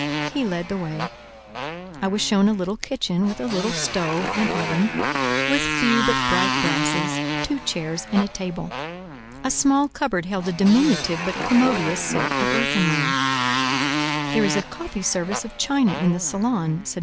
He led the way. I was shown a little kitchen with a little stove and oven, with few but bright brasses, two chairs and a table. A small cupboard held a diminutive but commodious set of earthenware. "There is a coffee service of china in the salon," said M.